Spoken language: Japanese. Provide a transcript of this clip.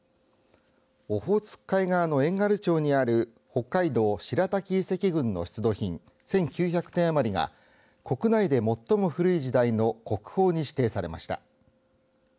オホーツク海側の遠軽町にある北海道白滝遺跡群の出土品１９００点余りが国内で最も古い時代の国宝に指定されました。